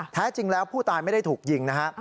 แท้จริงแล้วผู้ตายไม่ได้ถูกยิงนะฮะ